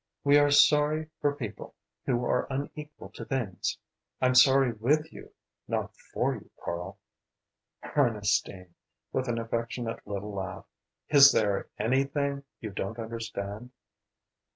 "We are 'sorry for' people who are unequal to things. I'm sorry with you, not for you, Karl." "Ernestine," with an affectionate little laugh "is there anything you don't understand?"